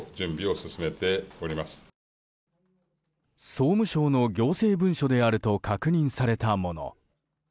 総務省の行政文書であると確認されたもの。